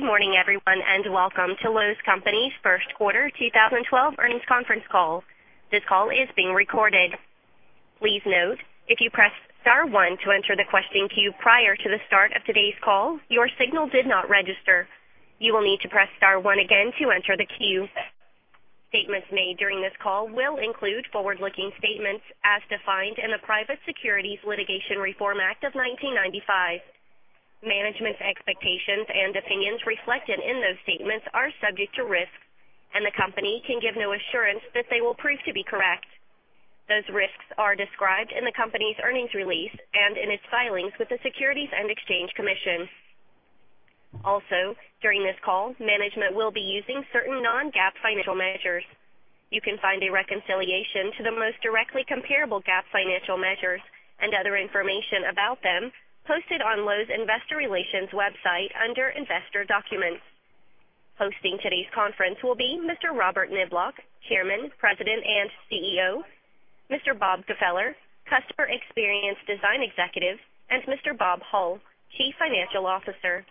Good morning, everyone, and welcome to Lowe's Companies' first quarter 2012 earnings conference call. This call is being recorded. Please note, if you pressed star one to enter the question queue prior to the start of today's call, your signal did not register. You will need to press star one again to enter the queue. Statements made during this call will include forward-looking statements as defined in the Private Securities Litigation Reform Act of 1995. Management's expectations and opinions reflected in those statements are subject to risks, and the company can give no assurance that they will prove to be correct. Those risks are described in the company's earnings release and in its filings with the Securities and Exchange Commission. Also, during this call, management will be using certain non-GAAP financial measures. You can find a reconciliation to the most directly comparable GAAP financial measures and other information about them posted on Lowe's Investor Relations website under Investor Documents. Hosting today's conference will be Mr. Robert Niblock, Chairman, President, and CEO, Mr. Bob Gfeller, Customer Experience Design Executive, and Mr. Bob Hull, Chief Financial Officer.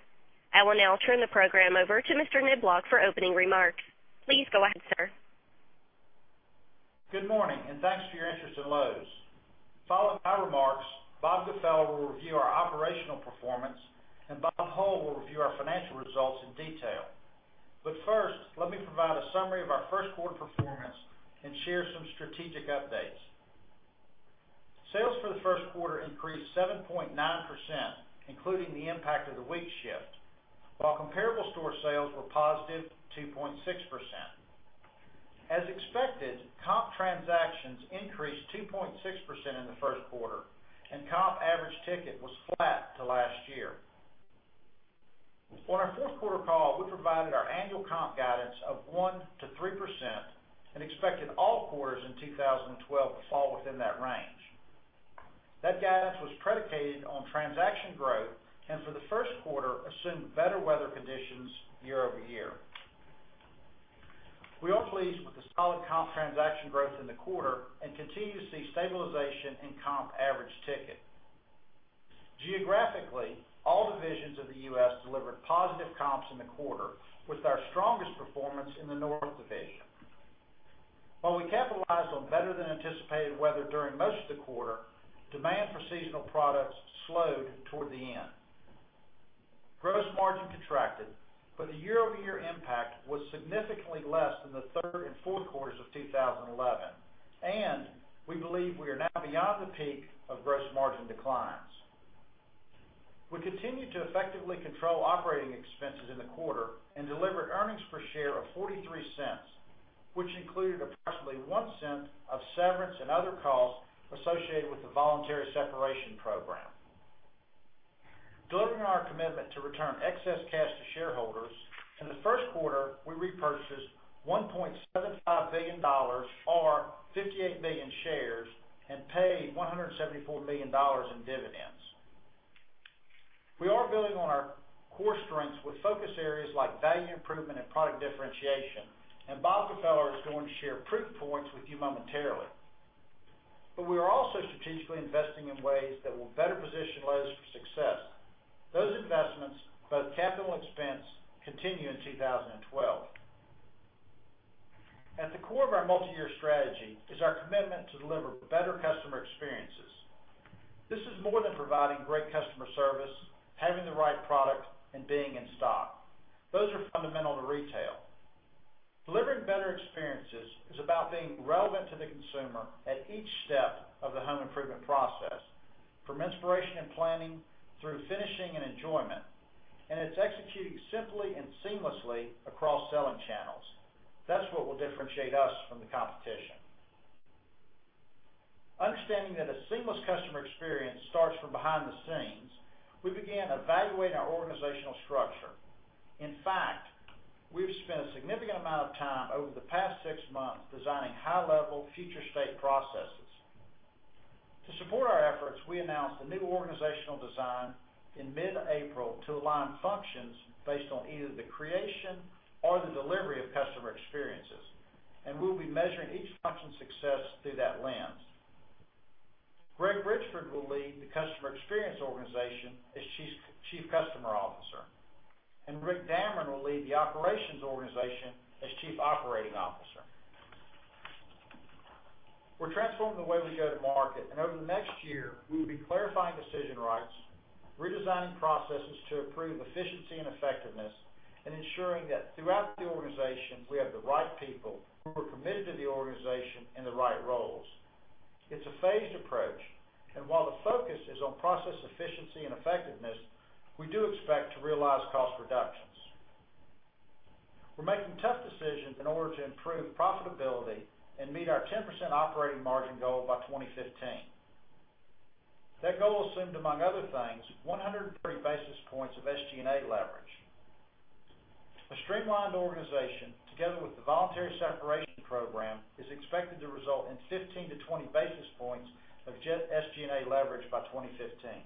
I will now turn the program over to Mr. Niblock for opening remarks. Please go ahead, sir. Good morning, and thanks for your interest in Lowe's. Following my remarks, Bob Gfeller will review our operational performance, and Bob Hull will review our financial results in detail. First, let me provide a summary of our first quarter performance and share some strategic updates. Sales for the first quarter increased 7.9%, including the impact of the week shift, while comparable store sales were positive 2.6%. As expected, comp transactions increased 2.6% in the first quarter, and comp average ticket was flat to last year. On our fourth quarter call, we provided our annual comp guidance of 1%-3% and expected all quarters in 2012 to fall within that range. That guidance was predicated on transaction growth, and for the first quarter, assumed better weather conditions year-over-year. We are pleased with the solid comp transaction growth in the quarter and continue to see stabilization in comp average ticket. Geographically, all divisions of the U.S. delivered positive comps in the quarter with our strongest performance in the North division. While we capitalized on better-than-anticipated weather during most of the quarter, demand for seasonal products slowed toward the end. Gross margin contracted, but the year-over-year impact was significantly less than the third and fourth quarters of 2011, and we believe we are now beyond the peak of gross margin declines. We continued to effectively control operating expenses in the quarter and delivered earnings per share of $0.43, which included approximately $0.01 of severance and other costs associated with the voluntary separation program. Delivering on our commitment to return excess cash to shareholders, in the first quarter, we repurchased $1.75 billion, or 58 million shares, and paid $174 million in dividends. We are building on our core strengths with focus areas like value improvement and product differentiation, and Bob Gfeller is going to share proof points with you momentarily. We are also strategically investing in ways that will better position Lowe's for success. Those investments, both capital and expense, continue in 2012. At the core of our multi-year strategy is our commitment to deliver better customer experiences. This is more than providing great customer service, having the right product, and being in stock. Those are fundamental to retail. Delivering better experiences is about being relevant to the consumer at each step of the home improvement process, from inspiration and planning through finishing and enjoyment, and it's executing simply and seamlessly across selling channels. That's what will differentiate us from the competition. Understanding that a seamless customer experience starts from behind the scenes, we began evaluating our organizational structure. In fact, we've spent a significant amount of time over the past six months designing high-level future state processes. To support our efforts, we announced a new organizational design in mid-April to align functions based on either the creation or the delivery of customer experiences, and we'll be measuring each function's success through that lens. Greg Bridgeford will lead the customer experience organization as Chief Customer Officer, and Rick Damron will lead the operations organization as Chief Operating Officer. We're transforming the way we go to market, and over the next year, we will be clarifying decision rights, redesigning processes to improve efficiency and effectiveness, and ensuring that throughout the organization, we have the right people who are committed to the organization in the right roles. It's a phased approach, and while the focus is on process efficiency and effectiveness, we do expect to realize cost reductions. We're making tough decisions in order to improve profitability and meet our 10% operating margin goal by 2015. That goal assumed, among other things, 103 basis points of SG&A leverage. A streamlined organization, together with the voluntary separation program, is expected to result in 15 to 20 basis points of SG&A leverage by 2015.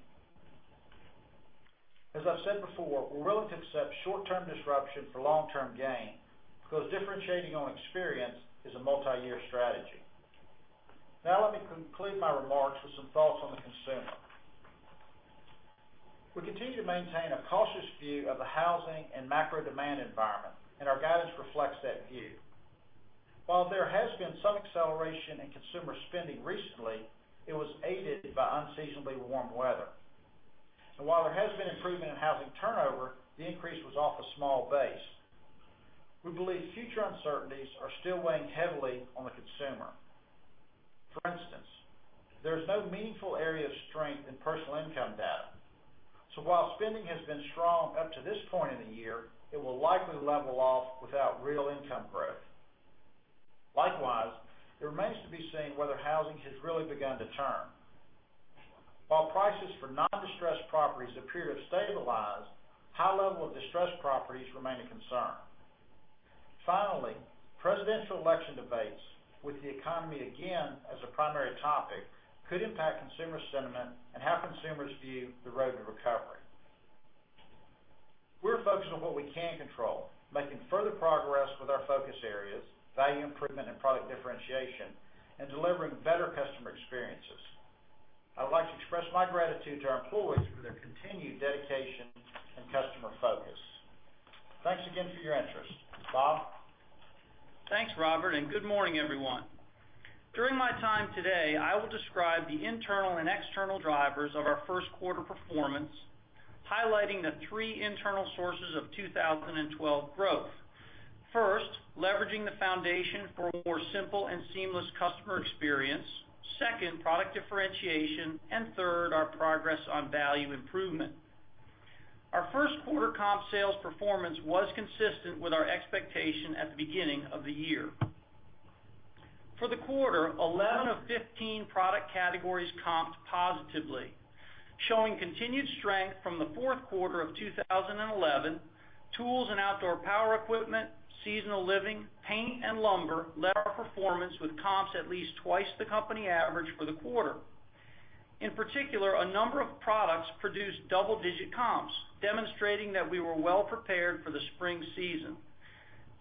As I've said before, we're willing to accept short-term disruption for long-term gain because differentiating on experience is a multi-year strategy. Let me conclude my remarks with some thoughts on the consumer. We continue to maintain a cautious view of the housing and macro demand environment, and our guidance reflects that view. While there has been some acceleration in consumer spending recently, it was aided by unseasonably warm weather. While there has been improvement in housing turnover, the increase was off a small base. We believe future uncertainties are still weighing heavily on the consumer. For instance, there is no meaningful area of strength in personal income data. While spending has been strong up to this point in the year, it will likely level off without real income growth. Likewise, it remains to be seen whether housing has really begun to turn. While prices for non-distressed properties appear to have stabilized, high level of distressed properties remain a concern. Finally, presidential election debates with the economy again as a primary topic could impact consumer sentiment and how consumers view the road to recovery. We're focused on what we can control, making further progress with our focus areas, value improvement and product differentiation, and delivering better customer experiences. I would like to express my gratitude to our employees for their continued dedication and customer focus. Thanks again for your interest. Bob? Thanks, Robert, and good morning, everyone. During my time today, I will describe the internal and external drivers of our first quarter performance, highlighting the three internal sources of 2012 growth. First, leveraging the foundation for a more simple and seamless customer experience. Second, product differentiation. Third, our progress on value improvement. Our first quarter comp sales performance was consistent with our expectation at the beginning of the year. For the quarter, 11 of 15 product categories comped positively. Showing continued strength from the fourth quarter of 2011, tools and outdoor power equipment, seasonal living, paint, and lumber led our performance with comps at least twice the company average for the quarter. In particular, a number of products produced double-digit comps, demonstrating that we were well-prepared for the spring season.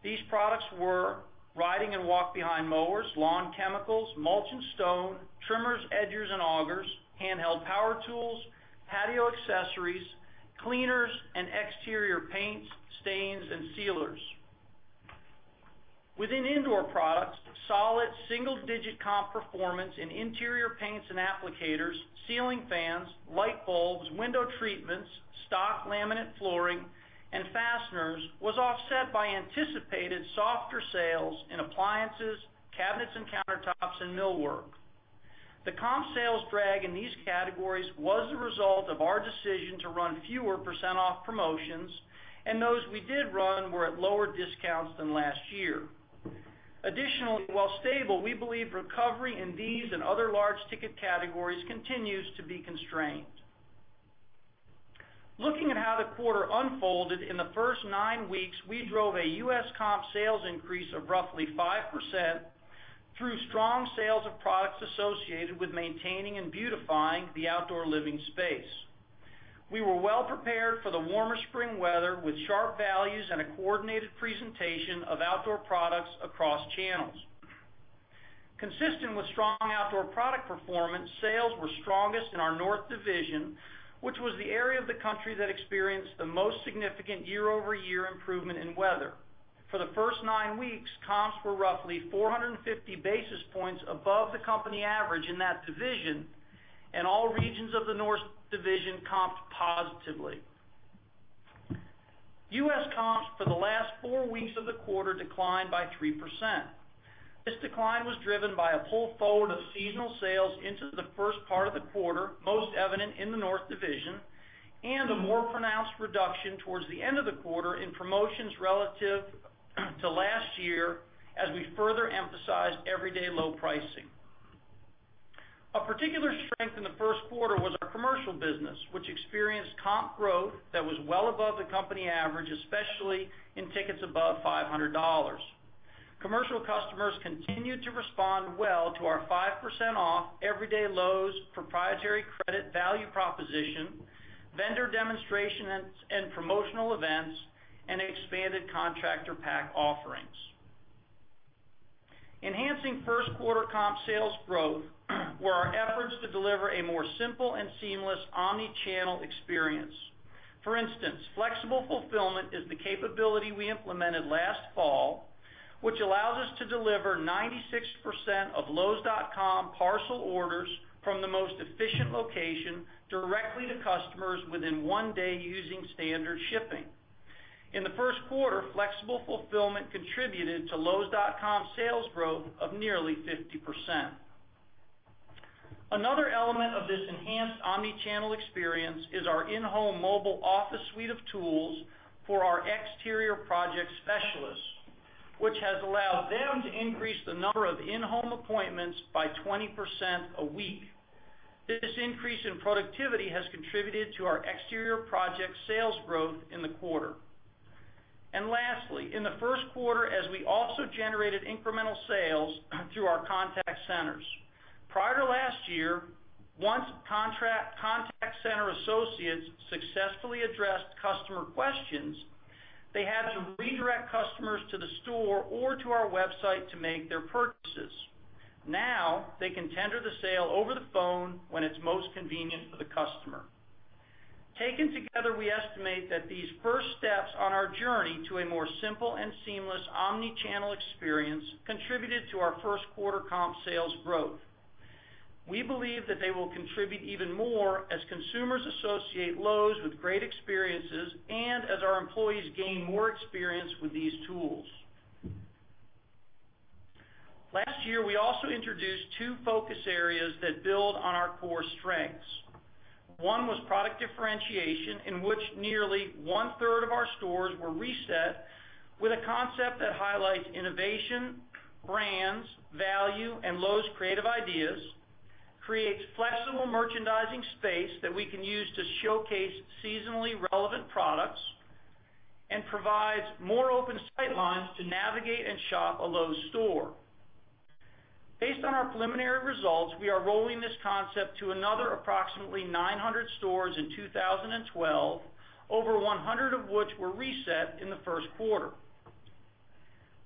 These products were riding and walk-behind mowers, lawn chemicals, mulch and stone, trimmers, edgers, and augers, handheld power tools, patio accessories, cleaners, and exterior paints, stains, and sealers. Within indoor products, solid single-digit comp performance in interior paints and applicators, ceiling fans, light bulbs, window treatments, stock laminate flooring, and fasteners was offset by anticipated softer sales in appliances, cabinets and countertops, and millwork. The comp sales drag in these categories was the result of our decision to run fewer percent-off promotions, and those we did run were at lower discounts than last year. Additionally, while stable, we believe recovery in these and other large ticket categories continues to be constrained. Looking at how the quarter unfolded, in the first nine weeks, we drove a U.S. comp sales increase of roughly 5% through strong sales of products associated with maintaining and beautifying the outdoor living space. We were well-prepared for the warmer spring weather with sharp values and a coordinated presentation of outdoor products across channels. Consistent with strong outdoor product performance, sales were strongest in our North division, which was the area of the country that experienced the most significant year-over-year improvement in weather. For the first nine weeks, comps were roughly 450 basis points above the company average in that division, and all regions of the North division comped positively. U.S. comps for the last four weeks of the quarter declined by 3%. This decline was driven by a pull forward of seasonal sales into the first part of the quarter, most evident in the North division, and a more pronounced reduction towards the end of the quarter in promotions relative to last year as we further emphasized everyday low pricing. Of particular strength in the first quarter was our commercial business, which experienced comp growth that was well above the company average, especially in tickets above $500. Commercial customers continued to respond well to our 5% off everyday Lowe's proprietary credit value proposition, vendor demonstration and promotional events, and expanded contractor pack offerings. Enhancing first quarter comp sales growth were our efforts to deliver a more simple and seamless omni-channel experience. For instance, flexible fulfillment is the capability we implemented last fall, which allows us to deliver 96% of lowes.com parcel orders from the most efficient location directly to customers within one day using standard shipping. In the first quarter, flexible fulfillment contributed to lowes.com sales growth of nearly 50%. Another element of this enhanced omni-channel experience is our in-home mobile office suite of tools for our exterior project specialists, which has allowed them to increase the number of in-home appointments by 20% a week. This increase in productivity has contributed to our exterior project sales growth in the quarter. Lastly, in the first quarter as we also generated incremental sales through our contact centers. Prior to last year, once contact center associates successfully addressed customer questions, they had to redirect customers to the store or to our website to make their purchases. Now, they can tender the sale over the phone when it's most convenient for the customer. Taken together, we estimate that these first steps on our journey to a more simple and seamless omni-channel experience contributed to our first quarter comp sales growth. We believe that they will contribute even more as consumers associate Lowe's with great experiences, and as our employees gain more experience with these tools. Last year, we also introduced two focus areas that build on our core strengths. One was product differentiation, in which nearly one-third of our stores were reset with a concept that highlights innovation, brands, value, and Lowe's creative ideas, creates flexible merchandising space that we can use to showcase seasonally relevant products, and provides more open sightlines to navigate and shop a Lowe's store. Based on our preliminary results, we are rolling this concept to another approximately 900 stores in 2012, over 100 of which were reset in the first quarter.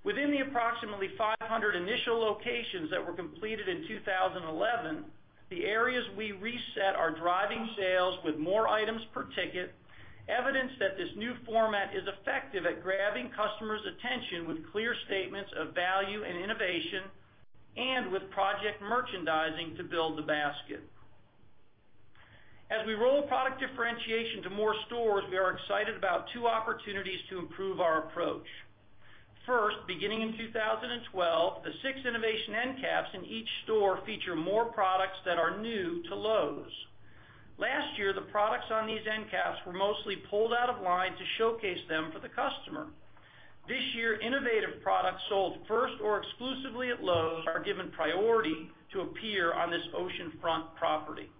Within the approximately 500 initial locations that were completed in 2011, the areas we reset are driving sales with more items per ticket, evidence that this new format is effective at grabbing customers' attention with clear statements of value and innovation, and with project merchandising to build the basket. As we roll product differentiation to more stores, we are excited about two opportunities to improve our approach. First, beginning in 2012, the six innovation end caps in each store feature more products that are new to Lowe's. Last year, the products on these end caps were mostly pulled out of line to showcase them for the customer. This year, innovative products sold first or exclusively at Lowe's are given priority to appear on this oceanfront property.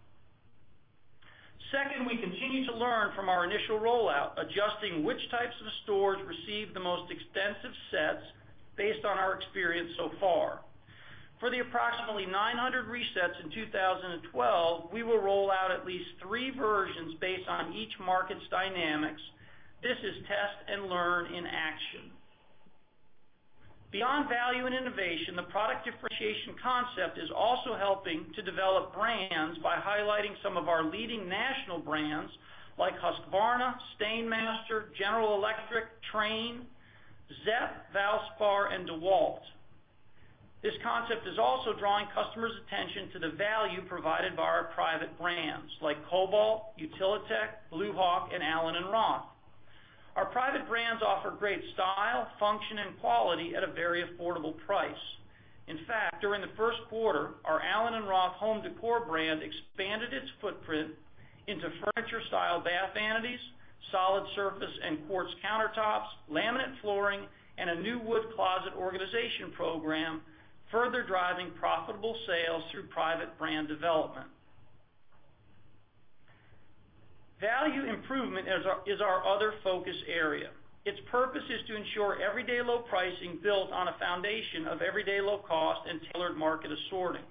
Second, we continue to learn from our initial rollout, adjusting which types of stores receive the most extensive sets based on our experience so far. For the approximately 900 resets in 2012, we will roll out at least 3 versions based on each market's dynamics. This is test and learn in action. Beyond value and innovation, the product differentiation concept is also helping to develop brands by highlighting some of our leading national brands like Husqvarna, STAINMASTER, General Electric, Trane, Zep, Valspar, and DeWalt. This concept is also drawing customers' attention to the value provided by our private brands, like Kobalt, Utilitech, Blue Hawk, and allen + roth. Our private brands offer great style, function, and quality at a very affordable price. In fact, during the first quarter, our allen + roth home decor brand expanded its footprint into furniture-style bath vanities, solid surface and quartz countertops, laminate flooring, and a new wood closet organization program, further driving profitable sales through private brand development. Value improvement is our other focus area. Its purpose is to ensure everyday low pricing built on a foundation of everyday low cost and tailored market assorting.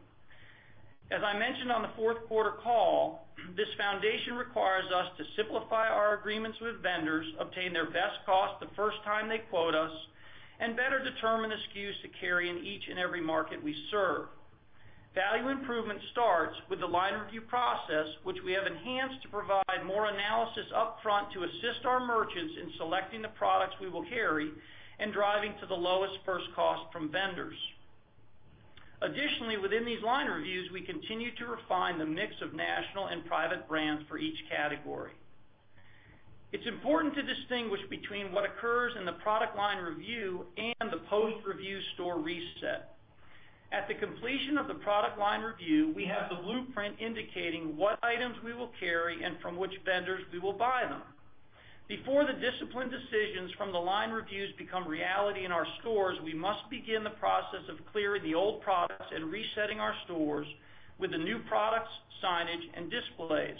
As I mentioned on the fourth quarter call, this foundation requires us to simplify our agreements with vendors, obtain their best cost the first time they quote us, and better determine the SKUs to carry in each and every market we serve. Value improvement starts with the line review process, which we have enhanced to provide more analysis upfront to assist our merchants in selecting the products we will carry and driving to the lowest first cost from vendors. Within these line reviews, we continue to refine the mix of national and private brands for each category. It's important to distinguish between what occurs in the product line review and the post-review store reset. At the completion of the product line review, we have the blueprint indicating what items we will carry and from which vendors we will buy them. Before the disciplined decisions from the line reviews become reality in our stores, we must begin the process of clearing the old products and resetting our stores with the new products, signage, and displays.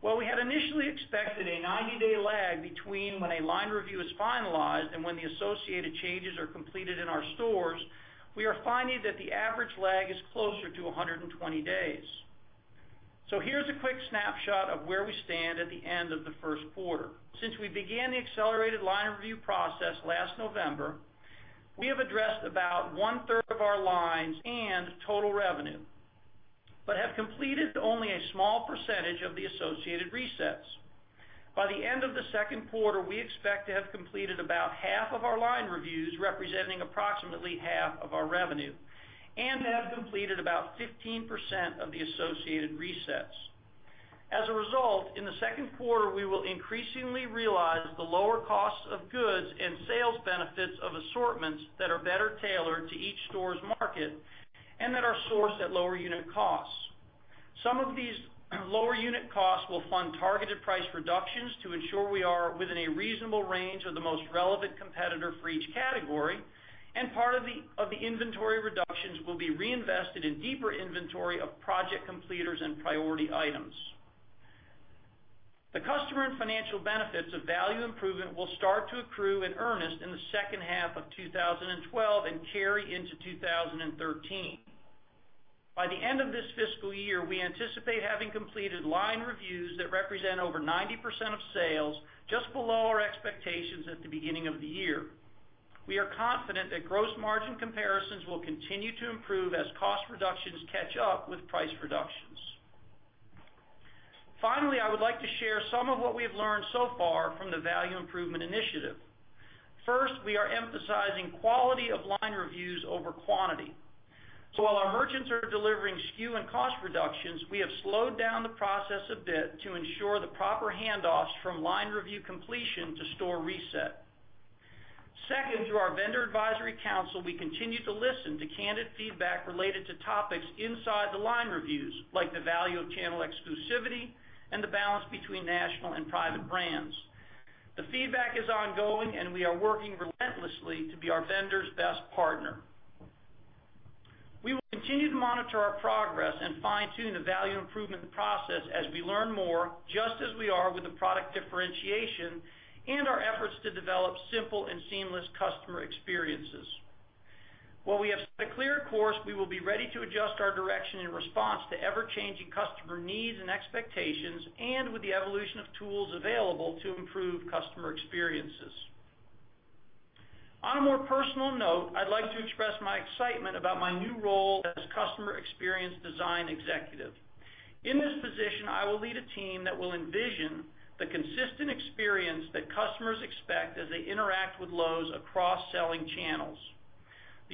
While we had initially expected a 90-day lag between when a line review is finalized and when the associated changes are completed in our stores, we are finding that the average lag is closer to 120 days. Here's a quick snapshot of where we stand at the end of the first quarter. Since we began the accelerated line review process last November, we have addressed about one-third of our lines and total revenue, but have completed only a small percentage of the associated resets. By the end of the second quarter, we expect to have completed about half of our line reviews, representing approximately half of our revenue, and have completed about 15% of the associated resets. In the second quarter, we will increasingly realize the lower costs of goods and sales benefits of assortments that are better tailored to each store's market and that are sourced at lower unit costs. Some of these lower unit costs will fund targeted price reductions to ensure we are within a reasonable range of the most relevant competitor for each category, and part of the inventory reductions will be reinvested in deeper inventory of project completers and priority items. The customer and financial benefits of value improvement will start to accrue in earnest in the second half of 2012 and carry into 2013. By the end of this fiscal year, we anticipate having completed line reviews that represent over 90% of sales, just below our expectations at the beginning of the year. We are confident that gross margin comparisons will continue to improve as cost reductions catch up with price reductions. Finally, I would like to share some of what we've learned so far from the Value Improvement Initiative. First, we are emphasizing quality of line reviews over quantity. While our merchants are delivering SKU and cost reductions, we have slowed down the process a bit to ensure the proper handoffs from line review completion to store reset. Second, through our Vendor Advisory Council, we continue to listen to candid feedback related to topics inside the line reviews, like the value of channel exclusivity and the balance between national and private brands. The feedback is ongoing. We are working relentlessly to be our vendors' best partner. We will continue to monitor our progress and fine-tune the value improvement process as we learn more, just as we are with the product differentiation and our efforts to develop simple and seamless customer experiences. While we have set a clear course, we will be ready to adjust our direction in response to ever-changing customer needs and expectations and with the evolution of tools available to improve customer experiences. On a more personal note, I'd like to express my excitement about my new role as Customer Experience Design Executive. In this position, I will lead a team that will envision the consistent experience that customers expect as they interact with Lowe's across selling channels.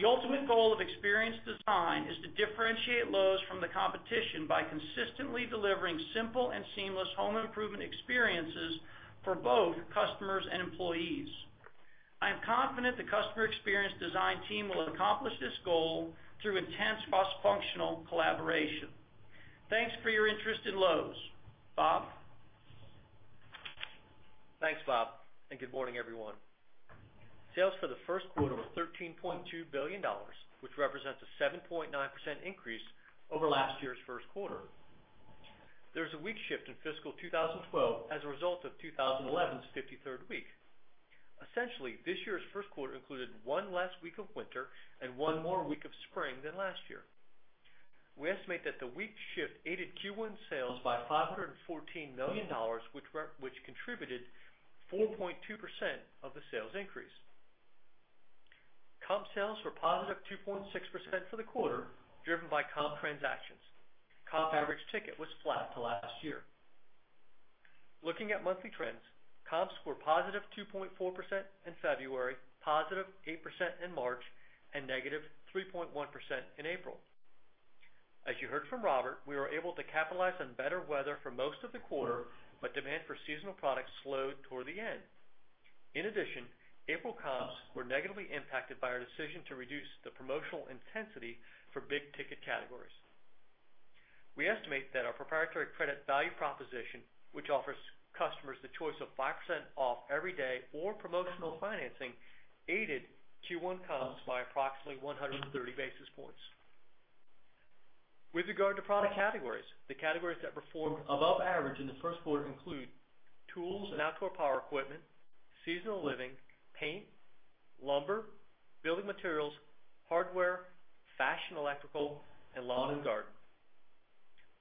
The ultimate goal of experience design is to differentiate Lowe's from the competition by consistently delivering simple and seamless home improvement experiences for both customers and employees. I am confident the Customer Experience Design Team will accomplish this goal through intense cross-functional collaboration. Thanks for your interest in Lowe's. Bob? Thanks, Bob. Good morning, everyone. Sales for the first quarter was $13.2 billion, which represents a 7.9% increase over last year's first quarter. There was a week shift in fiscal 2012 as a result of 2011's 53rd week. Essentially, this year's first quarter included one less week of winter and one more week of spring than last year. We estimate that the week shift aided Q1 sales by $514 million, which contributed 4.2% of the sales increase. Comp sales were positive 2.6% for the quarter, driven by comp transactions. Comp average ticket was flat to last year. Looking at monthly trends, comps were positive 2.4% in February, positive 8% in March, and negative 3.1% in April. As you heard from Robert, we were able to capitalize on better weather for most of the quarter. Demand for seasonal products slowed toward the end. In addition, April comps were negatively impacted by our decision to reduce the promotional intensity for big-ticket categories. We estimate that our proprietary credit value proposition, which offers customers the choice of 5% off every day or promotional financing, aided Q1 comps by approximately 130 basis points. With regard to product categories, the categories that performed above average in the first quarter include tools and outdoor power equipment, seasonal living, paint, lumber, building materials, hardware, fashion electrical, and lawn and garden.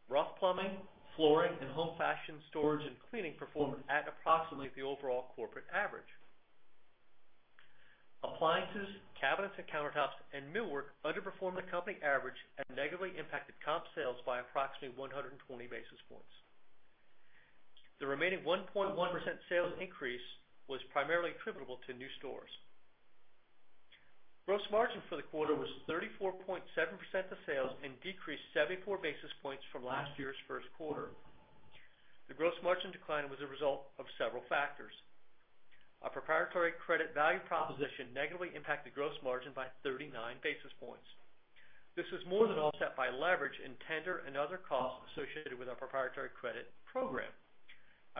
Rough plumbing, flooring, and home fashion storage and cleaning performed at approximately the overall corporate average. Appliances, cabinets and countertops, and millwork underperformed the company average and negatively impacted comp sales by approximately 120 basis points. The remaining 1.1% sales increase was primarily attributable to new stores. Gross margin for the quarter was 34.7% of sales and decreased 74 basis points from last year's first quarter. The gross margin decline was a result of several factors. Our proprietary credit value proposition negatively impacted gross margin by 39 basis points. This was more than offset by leverage in tender and other costs associated with our proprietary credit program.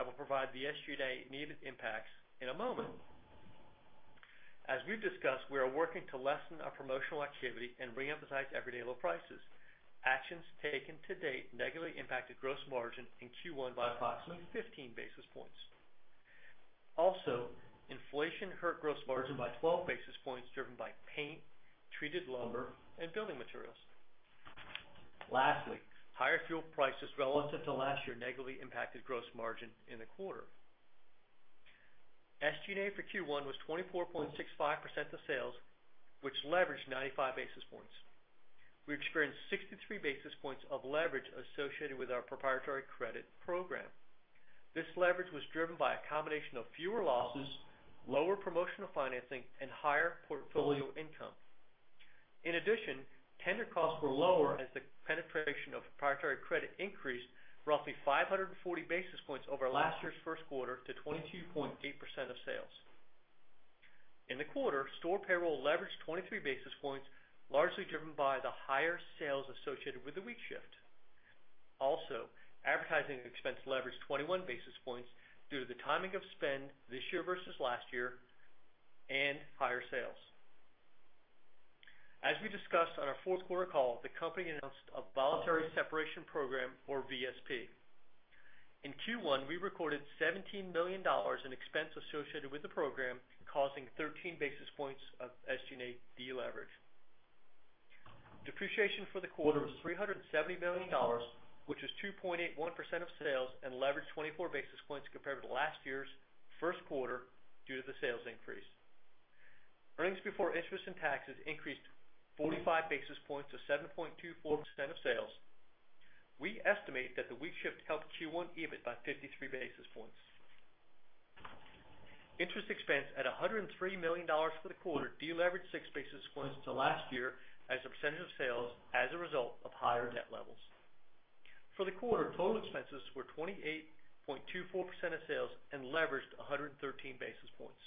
I will provide the SG&A and EBITDA impacts in a moment. As we've discussed, we are working to lessen our promotional activity and reemphasize everyday low prices. Actions taken to date negatively impacted gross margin in Q1 by approximately 15 basis points. Also, inflation hurt gross margin by 12 basis points, driven by paint, treated lumber, and building materials. Lastly, higher fuel prices relative to last year negatively impacted gross margin in the quarter. SG&A for Q1 was 24.65% of sales, which leveraged 95 basis points. We experienced 63 basis points of leverage associated with our proprietary credit program. This leverage was driven by a combination of fewer losses, lower promotional financing, and higher portfolio income. In addition, tender costs were lower as the penetration of proprietary credit increased roughly 540 basis points over last year's first quarter to 22.8% of sales. In the quarter, store payroll leveraged 23 basis points, largely driven by the higher sales associated with the week shift. Also, advertising expense leveraged 21 basis points due to the timing of spend this year versus last year and higher sales. As we discussed on our fourth quarter call, the company announced a voluntary separation program, or VSP. In Q1, we recorded $17 million in expense associated with the program, causing 13 basis points of SG&A deleverage. Depreciation for the quarter was $370 million, which is 2.81% of sales and leveraged 24 basis points compared to last year's first quarter due to the sales increase. Earnings before interest and taxes increased 45 basis points to 7.24% of sales. We estimate that the week shift helped Q1 EBIT by 53 basis points. Interest expense at $103 million for the quarter deleveraged six basis points to last year as a percentage of sales, as a result of higher debt levels. For the quarter, total expenses were 28.24% of sales and leveraged 113 basis points.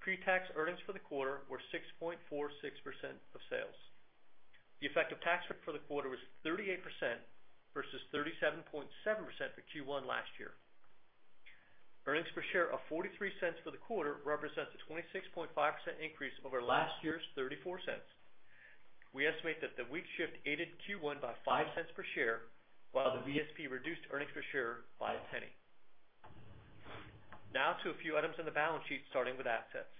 Pre-tax earnings for the quarter were 6.46% of sales. The effective tax rate for the quarter was 38% versus 37.7% for Q1 last year. Earnings per share of $0.43 for the quarter represents a 26.5% increase over last year's $0.34. We estimate that the week shift aided Q1 by $0.05 per share, while the VSP reduced earnings per share by $0.01. Now to a few items on the balance sheet, starting with assets.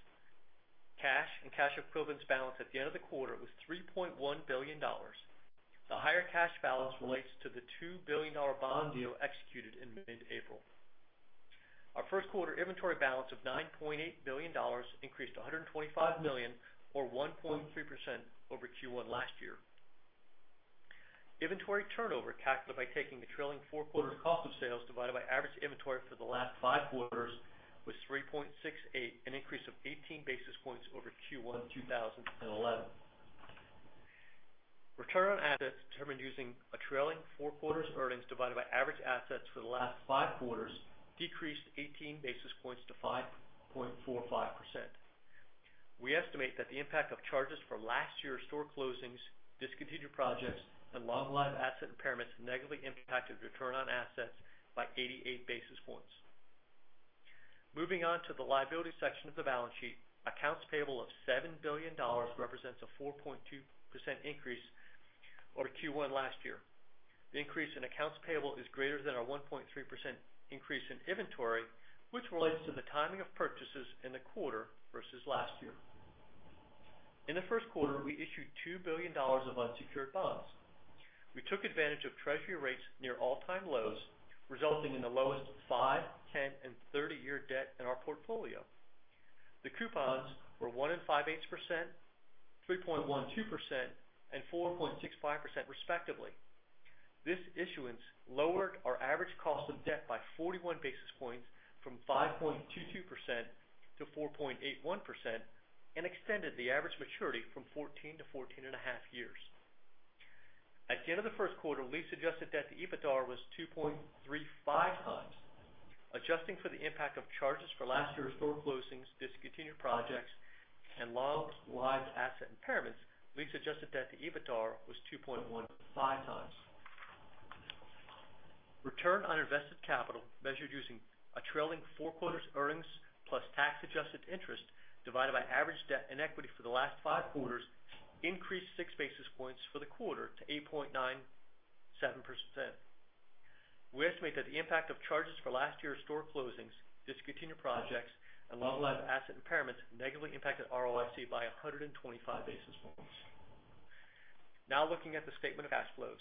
Cash and cash equivalents balance at the end of the quarter was $3.1 billion. The higher cash balance relates to the $2 billion bond deal executed in mid-April. Our first quarter inventory balance of $9.8 billion increased to $125 million or 1.3% over Q1 last year. Inventory turnover, calculated by taking the trailing four quarters cost of sales divided by average inventory for the last five quarters, was 3.68, an increase of 18 basis points over Q1 2011. Return on assets determined using a trailing four quarters earnings divided by average assets for the last five quarters decreased 18 basis points to 5.45%. We estimate that the impact of charges from last year's store closings, discontinued projects, and long-lived asset impairments negatively impacted return on assets by 88 basis points. Moving on to the liability section of the balance sheet. Accounts payable of $7 billion represents a 4.2% increase over Q1 last year. The increase in accounts payable is greater than our 1.3% increase in inventory, which relates to the timing of purchases in the quarter versus last year. In the first quarter, we issued $2 billion of unsecured bonds. We took advantage of Treasury rates near all-time lows, resulting in the lowest five, 10, and 30-year debt in our portfolio. The coupons were 1.625%, 3.12%, and 4.65% respectively. This issuance lowered our average cost of debt by 41 basis points from 5.22% to 4.81% and extended the average maturity from 14 to 14 and a half years. At the end of the first quarter, lease-adjusted debt to EBITDA was 2.35 times. Adjusting for the impact of charges for last year's store closings, discontinued projects, and long-lived asset impairments, lease-adjusted debt to EBITDA was 2.15 times. Return on invested capital, measured using a trailing four quarters earnings plus tax adjusted interest divided by average debt and equity for the last five quarters, increased six basis points for the quarter to 8.97%. We estimate that the impact of charges for last year's store closings, discontinued projects, and long-lived asset impairments negatively impacted ROIC by 125 basis points. Looking at the statement of cash flows.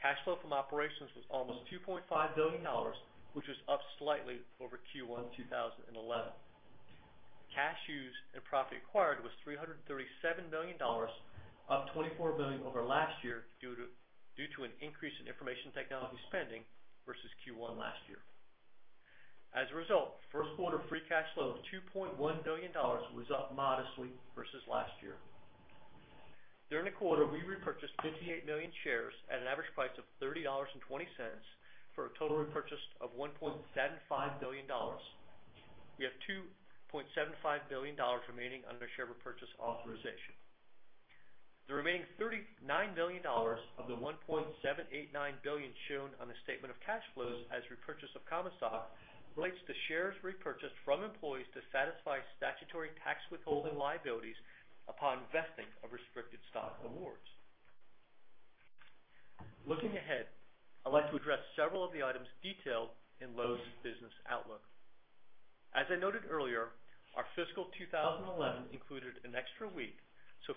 Cash flow from operations was almost $2.5 billion, which was up slightly over Q1 2011. Cash used in Property Acquired was $337 million, up $24 million over last year due to an increase in information technology spending versus Q1 last year. First quarter free cash flow of $2.1 billion was up modestly versus last year. During the quarter, we repurchased 58 million shares at an average price of $30.20 for a total repurchase of $1.75 billion. We have $2.75 billion remaining under share repurchase authorization. The remaining $39 million of the $1.789 billion shown on the statement of cash flows as repurchase of common stock relates to shares repurchased from employees to satisfy statutory tax withholding liabilities upon vesting of restricted stock awards. Looking ahead, I'd like to address several of the items detailed in Lowe's business outlook. Our fiscal 2011 included an extra week.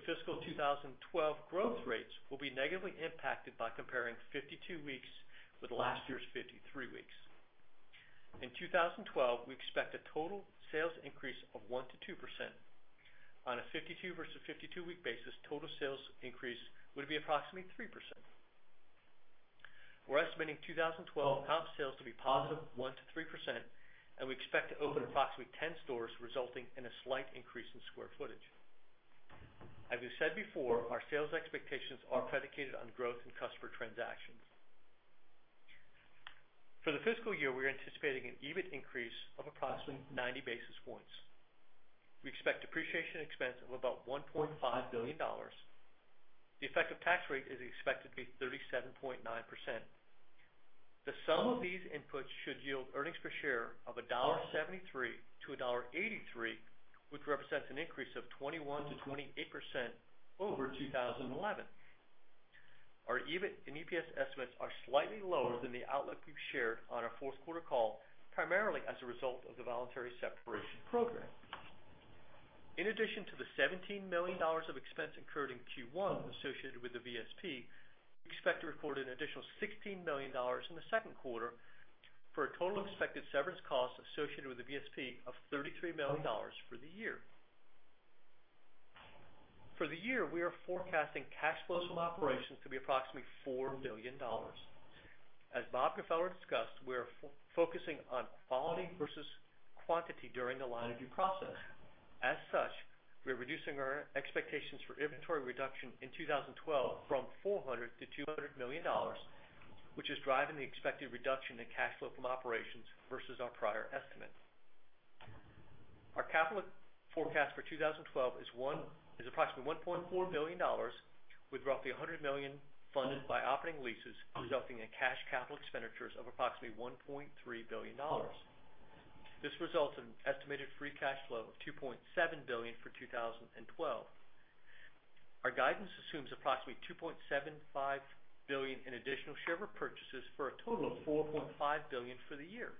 Fiscal 2012 growth rates will be negatively impacted by comparing 52 weeks with last year's 53 weeks. In 2012, we expect a total sales increase of 1%-2%. On a 52 versus 52-week basis, total sales increase would be approximately 3%. We're estimating 2012 comp sales to be positive 1%-3%. We expect to open approximately 10 stores, resulting in a slight increase in square footage. As we've said before, our sales expectations are predicated on growth in customer transactions. For the fiscal year, we are anticipating an EBIT increase of approximately 90 basis points. We expect depreciation expense of about $1.5 billion. The effective tax rate is expected to be 37.9%. The sum of these inputs should yield earnings per share of $1.73 to $1.83, which represents an increase of 21%-28% over 2011. Our EBIT and EPS estimates are slightly lower than the outlook we've shared on our fourth-quarter call, primarily as a result of the voluntary separation program. In addition to the $17 million of expense incurred in Q1 associated with the VSP, we expect to report an additional $16 million in the second quarter for a total expected severance cost associated with the VSP of $33 million for the year. For the year, we are forecasting cash flows from operations to be approximately $4 billion. As Bob Gfeller discussed, we are focusing on quality versus quantity during the line review process. As such, we are reducing our expectations for inventory reduction in 2012 from $400 million-$200 million, which is driving the expected reduction in cash flow from operations versus our prior estimate. Our capital forecast for 2012 is approximately $1.4 billion, with roughly $100 million funded by operating leases, resulting in cash capital expenditures of approximately $1.3 billion. This results in an estimated free cash flow of $2.7 billion for 2012. Our guidance assumes approximately $2.75 billion in additional share repurchases for a total of $4.5 billion for the year.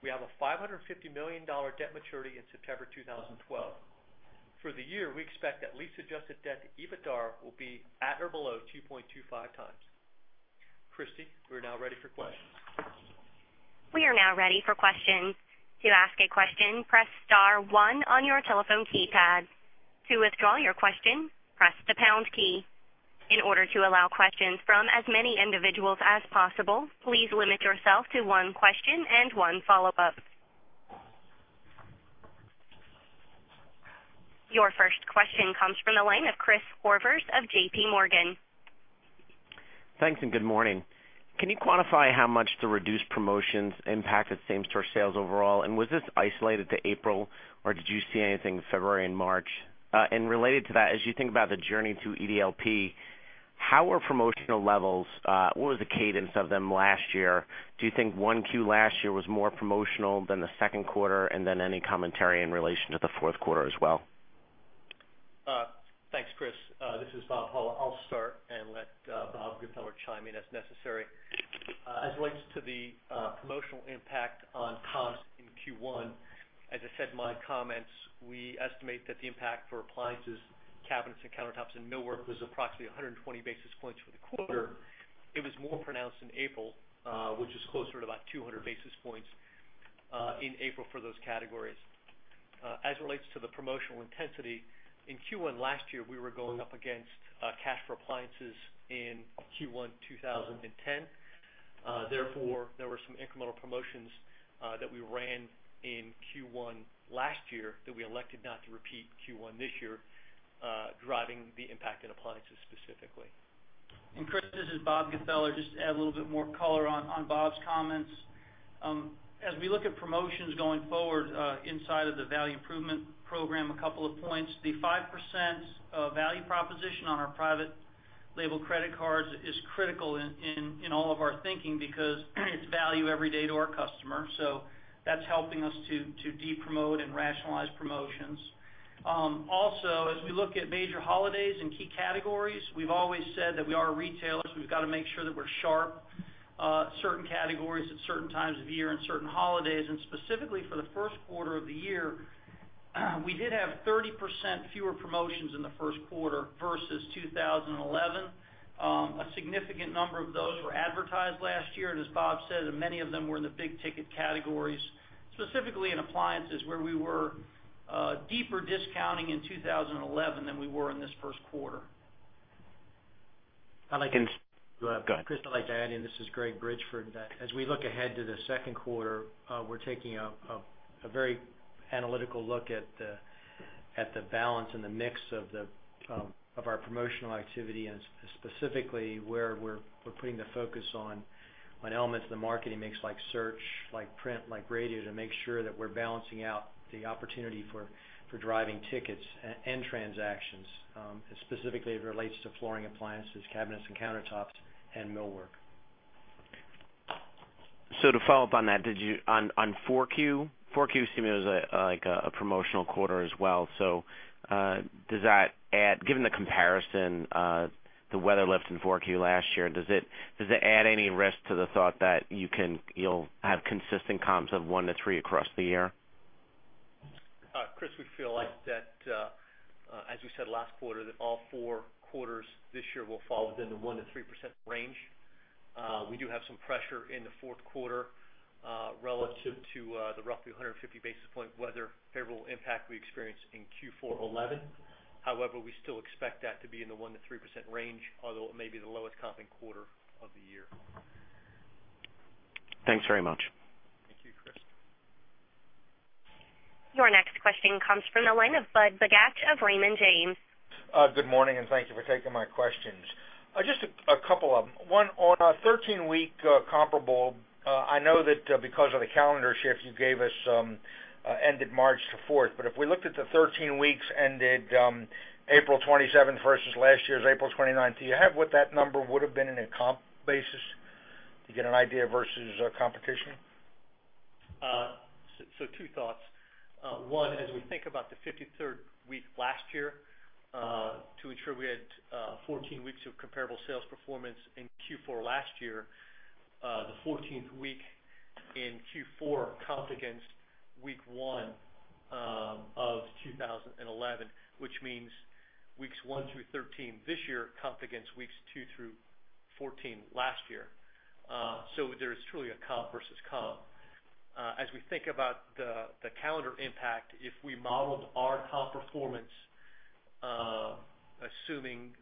We have a $550 million debt maturity in September 2012. For the year, we expect that lease-adjusted debt to EBITDA will be at or below 2.25 times. Christy, we are now ready for questions. We are now ready for questions. To ask a question, press star one on your telephone keypad. To withdraw your question, press the pound key. In order to allow questions from as many individuals as possible, please limit yourself to one question and one follow-up. Your first question comes from the line of Christopher Horvers of JPMorgan. Thanks and good morning. Can you quantify how much the reduced promotions impacted same-store sales overall? Was this isolated to April, or did you see anything February and March? Related to that, as you think about the journey to EDLP, how were promotional levels? What was the cadence of them last year? Do you think one Q last year was more promotional than the second quarter? Any commentary in relation to the fourth quarter as well. Thanks, Chris. This is Bob Hull. I'll start and let Bob Gfeller chime in as necessary. As it relates to the promotional impact on comps in Q1, as I said in my comments, we estimate that the impact for appliances, cabinets and countertops, and millwork was approximately 120 basis points for the quarter. It was more pronounced in April, which is closer to about 200 basis points in April for those categories. As it relates to the promotional intensity, in Q1 last year, we were going up against cash for appliances in Q1 2010. There were some incremental promotions that we ran in Q1 last year that we elected not to repeat Q1 this year, driving the impact in appliances specifically. Chris, this is Bob Gfeller. Just to add a little bit more color on Bob's comments. As we look at promotions going forward inside of the value improvement program, a couple of points. The 5% value proposition on our private label credit cards is critical in all of our thinking because it's value every day to our customer. That's helping us to de-promote and rationalize promotions. Also, as we look at major holidays and key categories, we've always said that we are retailers. We've got to make sure that we're sharp, certain categories at certain times of year and certain holidays, and specifically for the first quarter of the year, we did have 30% fewer promotions in the first quarter versus 2011. A significant number of those were advertised last year. As Bob said, many of them were in the big-ticket categories, specifically in appliances, where we were deeper discounting in 2011 than we were in this first quarter. Go ahead. Chris, I'd like to add in, this is Greg Bridgeford, that as we look ahead to the 2nd quarter, we're taking a very analytical look at the balance and the mix of our promotional activity. Specifically, where we're putting the focus on elements of the marketing mix like search, like print, like radio, to make sure that we're balancing out the opportunity for driving tickets and transactions, specifically as it relates to flooring, appliances, cabinets and countertops. Millwork. To follow up on that, on 4Q seemed like a promotional quarter as well. Does that add, given the comparison, the weather lift in 4Q last year, does it add any risk to the thought that you'll have consistent comps of 1%-3% across the year? Chris, we feel like that, as we said last quarter, that all four quarters this year will fall within the 1%-3% range. We do have some pressure in the 4th quarter, relative to the roughly 150-basis point weather favorable impact we experienced in Q4 2011. We still expect that to be in the 1%-3% range, although it may be the lowest comping quarter of the year. Thanks very much. Thank you, Chris. Your next question comes from the line of Budd Bugatch of Raymond James. Good morning, thank you for taking my questions. Just a couple of them. One, on a 13-week comparable, I know that because of the calendar shift you gave us ended March the 4th, but if we looked at the 13 weeks ended April 27th versus last year's April 29th, do you have what that number would have been in a comp basis? To get an idea versus our competition? Two thoughts. One, as we think about the 53rd week last year, to ensure we had 14 weeks of comparable sales performance in Q4 last year, the 14th week in Q4 comped against week one of 2011, which means weeks one through 13 this year comped against weeks two through 14 last year. There is truly a comp versus comp. As we think about the calendar impact, if we modeled our comp performance assuming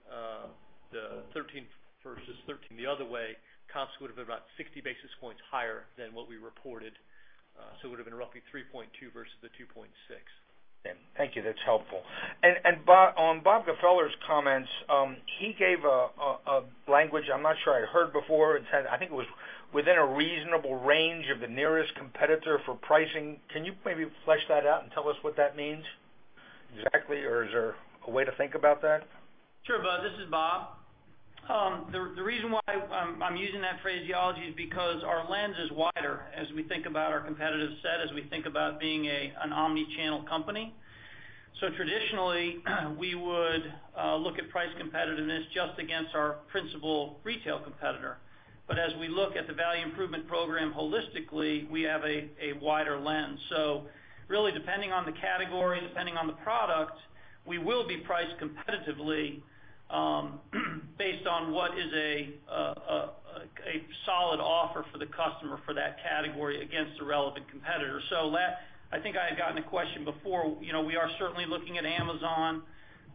the 13 versus 13 the other way, comps would have been about 60 basis points higher than what we reported. It would've been roughly 3.2 versus the 2.6. Thank you. That's helpful. On Bob Gfeller's comments, he gave a language I'm not sure I heard before. I think it was within a reasonable range of the nearest competitor for pricing. Can you maybe flesh that out and tell us what that means exactly? Or is there a way to think about that? Sure, Budd. This is Bob. The reason why I'm using that phraseology is because our lens is wider as we think about our competitive set, as we think about being an omni-channel company. Traditionally, we would look at price competitiveness just against our principal retail competitor. As we look at the value improvement program holistically, we have a wider lens. Really, depending on the category, depending on the product, we will be priced competitively based on what is a solid offer for the customer for that category against the relevant competitor. I think I had gotten a question before. We are certainly looking at Amazon,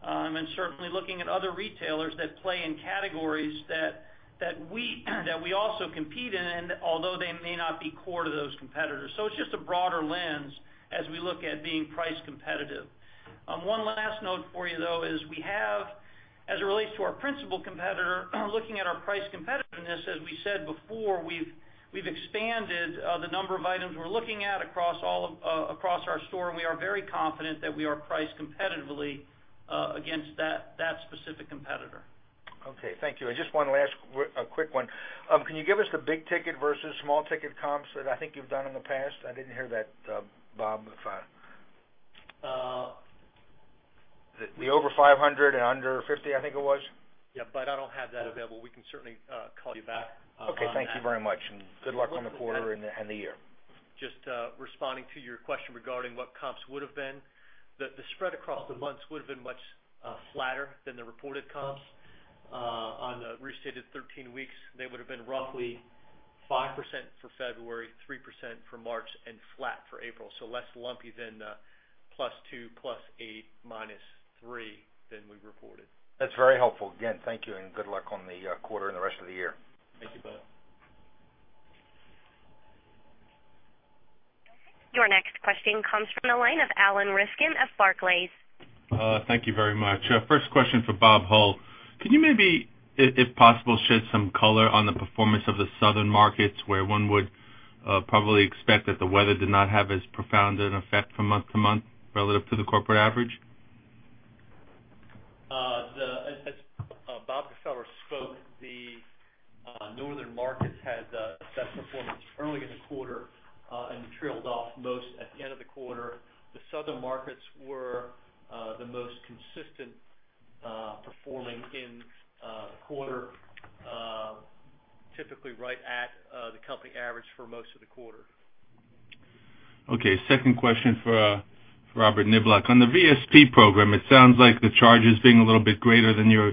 and certainly looking at other retailers that play in categories that we also compete in, although they may not be core to those competitors. It's just a broader lens as we look at being price competitive. One last note for you, though, is we have, as it relates to our principal competitor, looking at our price competitiveness, as we said before, we've expanded the number of items we're looking at across our store, and we are very confident that we are priced competitively against that specific competitor. Okay, thank you. Just one last quick one. Can you give us the big ticket versus small ticket comps that I think you've done in the past? I didn't hear that, Bob. The over 500 and under 50, I think it was. Yeah, Budd, I don't have that available. We can certainly call you back on that. Okay, thank you very much and good luck on the quarter and the year. Just responding to your question regarding what comps would've been, the spread across the months would've been much flatter than the reported comps. On the restated 13 weeks, they would've been roughly 5% for February, 3% for March, and flat for April. Less lumpy than the plus two, plus eight, minus three than we reported. That's very helpful. Again, thank you, and good luck on the quarter and the rest of the year. Thank you, Budd. Your next question comes from the line of Alan Rifkin of Barclays. Thank you very much. First question for Bob Hull. Can you maybe, if possible, shed some color on the performance of the southern markets where one would probably expect that the weather did not have as profound an effect from month to month relative to the corporate average? As Bob Gfeller spoke, the northern markets had the best performance early in the quarter. It trailed off most at the end of the quarter. The southern markets were the most consistent performing in the quarter, typically right at the company average for most of the quarter. Okay. Second question for Robert Niblock. On the VSP program, it sounds like the charge is being a little bit greater than your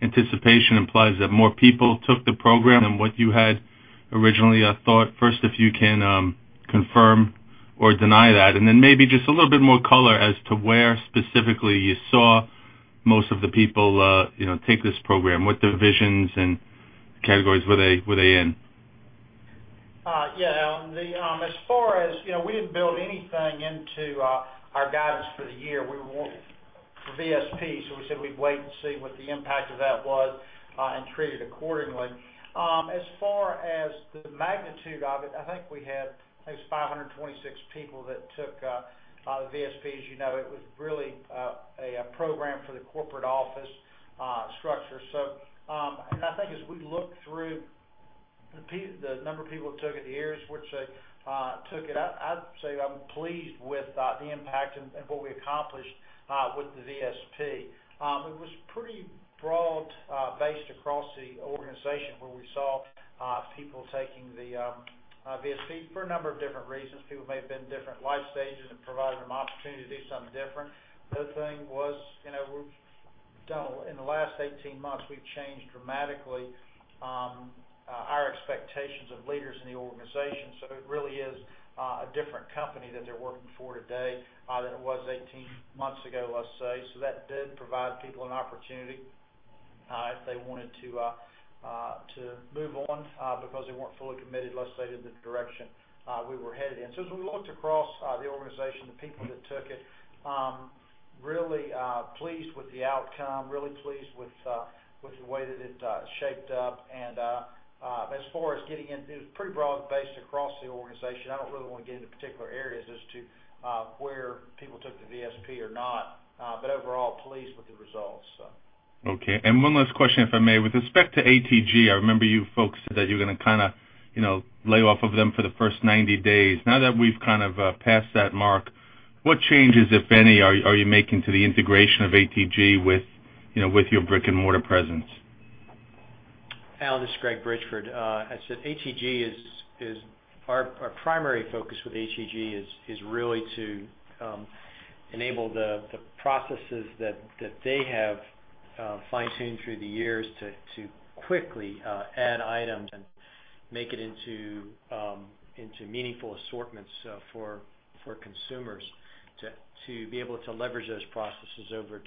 anticipation implies that more people took the program than what you had originally thought. First, if you can confirm or deny that. Then maybe just a little bit more color as to where specifically you saw most of the people take this program. What divisions and categories were they in? Alan, we didn't build anything into our guidance for the year for VSP. We said we'd wait and see what the impact of that was and treat it accordingly. As far as the magnitude of it, I think we had 526 people that took the VSP. As you know, it was really a program for the corporate office structure. I think as we look through the number of people that took it, the areas which they took it, I'd say I'm pleased with the impact and what we accomplished with the VSP. It was pretty broad-based across the organization where we saw people taking the VSP for a number of different reasons. People may have been at different life stages and provided them an opportunity to do something different. The other thing was, in the last 18 months, we've changed dramatically our expectations of leaders in the organization. It really is a different company that they're working for today than it was 18 months ago, let's say. That did provide people an opportunity if they wanted to move on because they weren't fully committed, let's say, to the direction we were headed in. As we looked across the organization, the people that took it, really pleased with the outcome, really pleased with the way that it shaped up. As far as getting in, it was pretty broad-based across the organization. I don't really want to get into particular areas as to where people took the VSP or not. Overall, pleased with the results. Okay. One last question, if I may. With respect to ATG, I remember you folks said that you're going to lay off of them for the first 90 days. Now that we've passed that mark, what changes, if any, are you making to the integration of ATG with your brick-and-mortar presence? Alan, this is Greg Bridgeford. I said, our primary focus with ATG is really to enable the processes that they have fine-tuned through the years to quickly add items and make it into meaningful assortments for consumers. To be able to leverage those processes over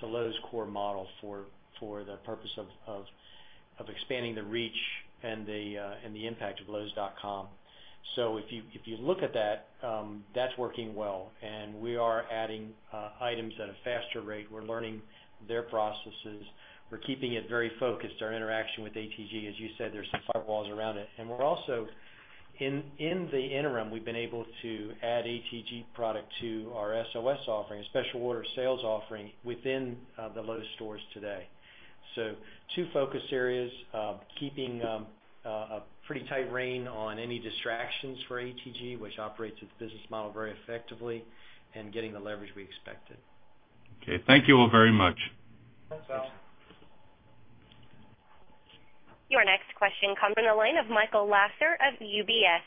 to Lowe's core model for the purpose of expanding the reach and the impact of lowes.com. If you look at that's working well and we are adding items at a faster rate. We're learning their processes. We're keeping it very focused, our interaction with ATG. As you said, there's some firewalls around it. We're also, in the interim, we've been able to add ATG product to our SOS offering, a special order sales offering within the Lowe's stores today. Two focus areas, keeping a pretty tight rein on any distractions for ATG, which operates its business model very effectively and getting the leverage we expected. Okay. Thank you all very much. Thanks, Alan. Your next question comes from the line of Michael Lasser of UBS.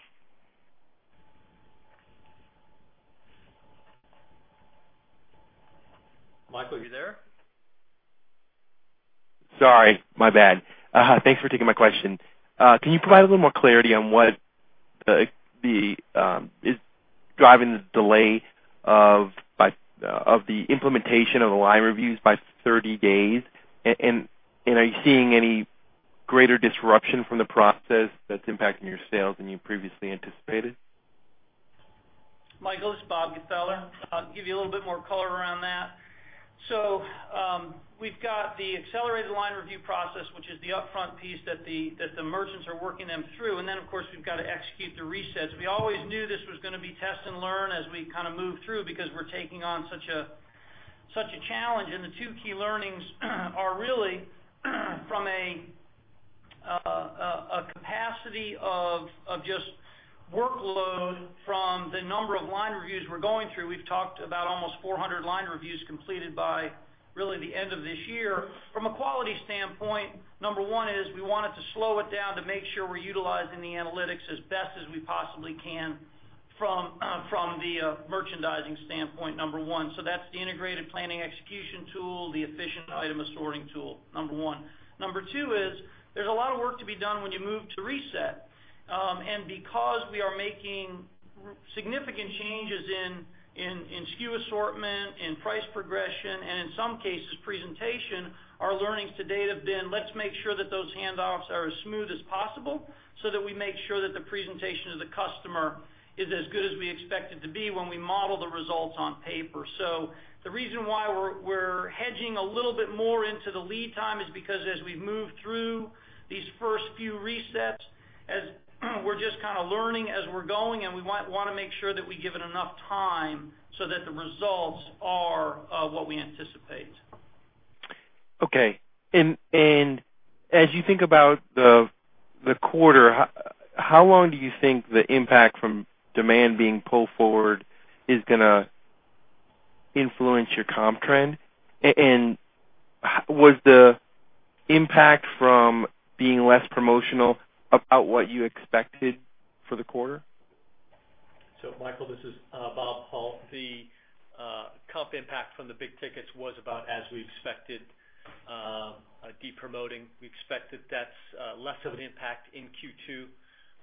Michael, are you there? Sorry, my bad. Thanks for taking my question. Can you provide a little more clarity on what is driving the delay of the implementation of the line reviews by 30 days? Are you seeing any greater disruption from the process that's impacting your sales than you previously anticipated? Michael, this is Bob Gfeller. I'll give you a little bit more color around that. We've got the accelerated line review process, which is the upfront piece that the merchants are working them through. Then, of course, we've got to execute the resets. We always knew this was going to be test and learn as we move through because we're taking on such a challenge, the two key learnings are really from a capacity of just workload from the number of line reviews we're going through. We've talked about almost 400 line reviews completed by really the end of this year. From a quality standpoint, number one is we wanted to slow it down to make sure we're utilizing the analytics as best as we possibly can from the merchandising standpoint, number one. That's the integrated planning execution tool, the efficient item assorting tool, number one. Number two is there's a lot of work to be done when you move to reset. Because we are making significant changes in SKU assortment, in price progression, and in some cases, presentation, our learnings to date have been, let's make sure that those handoffs are as smooth as possible so that we make sure that the presentation of the customer is as good as we expect it to be when we model the results on paper. The reason why we're hedging a little bit more into the lead time is because as we've moved through these first few resets, we're just learning as we're going, and we want to make sure that we give it enough time so that the results are what we anticipate. Okay. As you think about the quarter, how long do you think the impact from demand being pulled forward is going to influence your comp trend? Was the impact from being less promotional about what you expected for the quarter? Michael, this is Bob Hull. The comp impact from the big tickets was about as we expected. Depromoting, we expected that's less of an impact in Q2.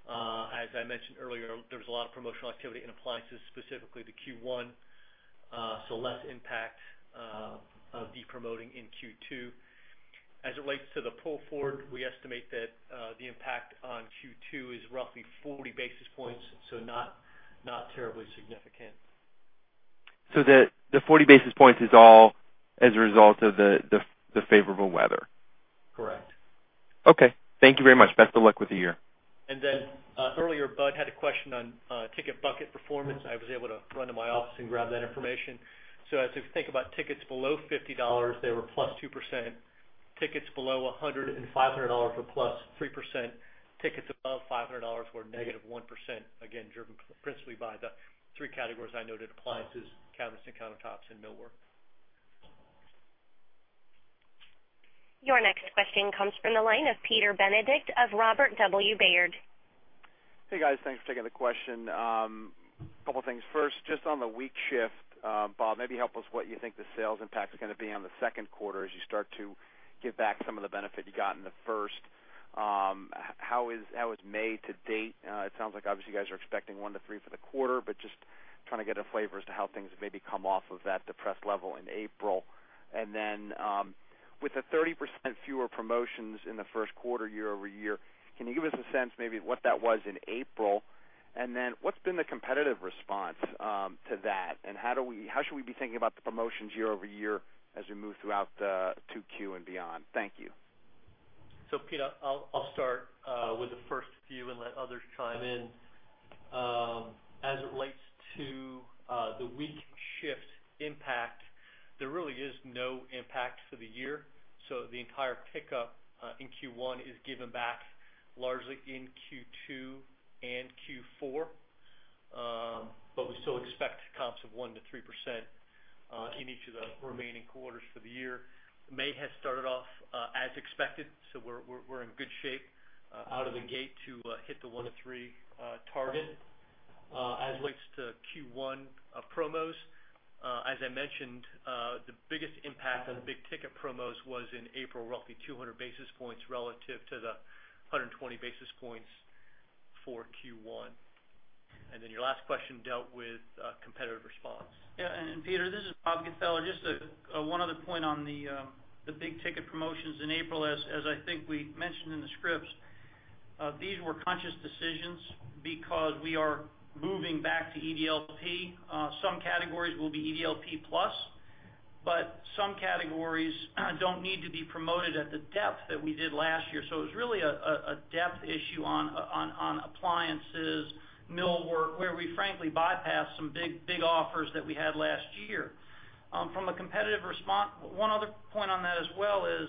As I mentioned earlier, there was a lot of promotional activity in appliances, specifically to Q1, less impact of depromoting in Q2. As it relates to the pull forward, we estimate that the impact on Q2 is roughly 40 basis points, not terribly significant. The 40 basis points is all as a result of the favorable weather? Correct. Okay. Thank you very much. Best of luck with the year. Earlier, Budd had a question on ticket bucket performance. I was able to run to my office and grab that information. As we think about tickets below $50, they were +2%. Tickets below 100 and $500 were +3%. Tickets above $500 were -1%, again, driven principally by the three categories I noted, appliances, cabinets and countertops, and millwork. Your next question comes from the line of Peter Benedict of Robert W. Baird. Hey, guys. Thanks for taking the question. Couple things. First, just on the week shift, Bob, maybe help us what you think the sales impact is going to be on the second quarter as you start to give back some of the benefit you got in the first. How is May to date? It sounds like obviously you guys are expecting 1% to 3% for the quarter, but just trying to get a flavor as to how things maybe come off of that depressed level in April. Then, with the 30% fewer promotions in the first quarter year-over-year, can you give us a sense maybe of what that was in April? Then what's been the competitive response to that, and how should we be thinking about the promotions year-over-year as we move throughout the 2Q and beyond? Thank you. Peter, I'll start with the first few and let others chime in. As it relates to the week shift impact, there really is no impact for the year. The entire pickup in Q1 is given back largely in Q2 and Q4. We still expect comps of 1% to 3% in each of the remaining quarters for the year. May has started off as expected, so we're in good shape out of the gate to hit the 1% to 3% target. As it relates to Q1 promos, as I mentioned, the biggest impact on the big ticket promos was in April, roughly 200 basis points relative to the 120 basis points for Q1. Then your last question dealt with competitive response. Peter, this is Bob Gfeller. Just one other point on the big ticket promotions in April. As I think we mentioned in the scripts, these were conscious decisions because we are moving back to EDLP. Some categories will be EDLP plus, but some categories don't need to be promoted at the depth that we did last year. It was really a depth issue on appliances, millwork, where we frankly bypassed some big offers that we had last year. From a competitive response, one other point on that as well is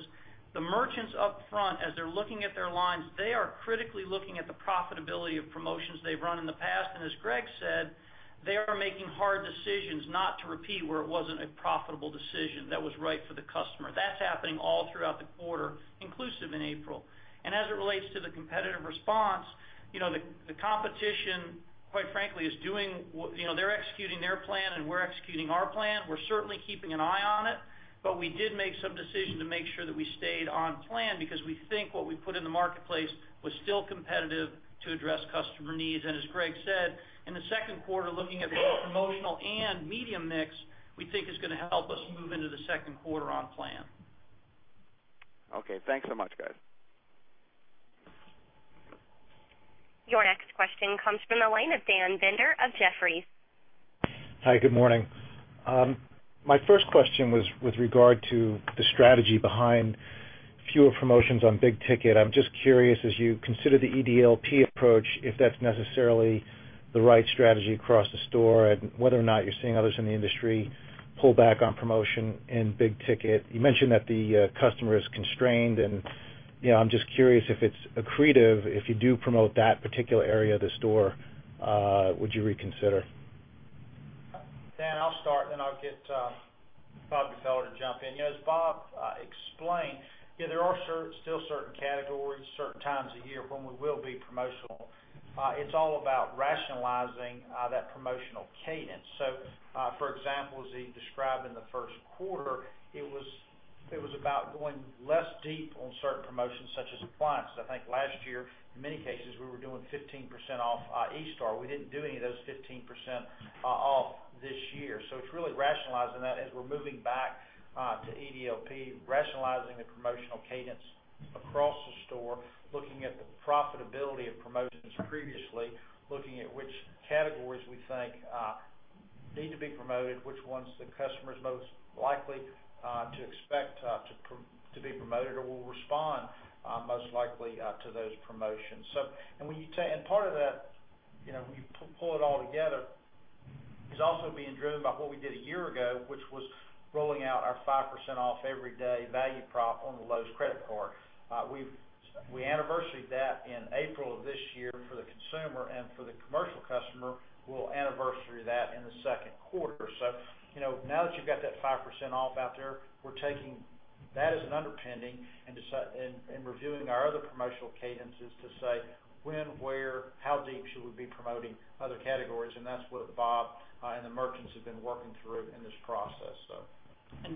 the merchants up front, as they're looking at their lines, they are critically looking at the profitability of promotions they've run in the past. As Greg said, they are making hard decisions not to repeat where it wasn't a profitable decision that was right for the customer. That's happening all throughout the quarter, inclusive in April. As it relates to the competitive response, the competition, quite frankly, they're executing their plan, and we're executing our plan. We're certainly keeping an eye on it. We did make some decision to make sure that we stayed on plan because we think what we put in the marketplace was still competitive to address customer needs. As Greg said, in the second quarter, looking at both promotional and medium mix, we think is going to help us move into the second quarter on plan. Okay. Thanks so much, guys. Your next question comes from the line of Daniel Binder of Jefferies. Hi, good morning. My first question was with regard to the strategy behind fewer promotions on big ticket. I'm just curious, as you consider the EDLP approach, if that's necessarily the right strategy across the store and whether or not you're seeing others in the industry pull back on promotion in big ticket. You mentioned that the customer is constrained and I'm just curious if it's accretive, if you do promote that particular area of the store would you reconsider? Dan, I'll start then I'll get Bob Gfeller to jump in. As Bob explained, there are still certain categories, certain times of year when we will be promotional. It's all about rationalizing that promotional cadence. For example, as he described in the first quarter, it was about going less deep on certain promotions such as appliances. I think last year, in many cases, we were doing 15% off Easter. We didn't do any of those 15% off this year. It's really rationalizing that as we're moving back to EDLP, rationalizing the promotional cadence across the store, looking at the profitability of promotions previously, looking at which categories we think need to be promoted, which ones the customer is most likely to expect to be promoted or will respond most likely to those promotions. Part of that, when you pull it all together, is also being driven by what we did a year ago, which was rolling out our 5% off every day value prop on the Lowe's credit card. We anniversaried that in April of this year for the consumer and for the commercial customer, we'll anniversary that in the second quarter. Now that you've got that 5% off out there, we're taking that as an underpinning and reviewing our other promotional cadences to say when, where, how deep should we be promoting other categories, and that's what Bob and the merchants have been working through in this process so.